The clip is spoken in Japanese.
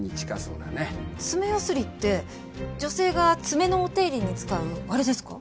爪ヤスリって女性が爪のお手入れに使うあれですか？